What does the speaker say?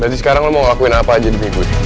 berarti sekarang lo mau ngelakuin apa aja demi gue